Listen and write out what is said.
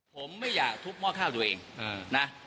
ผมไม่อยากทุบหม้อข้าวตัวเองนะ